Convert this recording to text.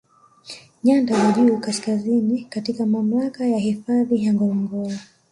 Nyanda za juu Kaskazini katika mamlaka ya hifadhi ya Ngorongoro